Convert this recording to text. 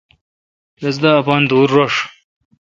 رس دا اپان دور رݭ۔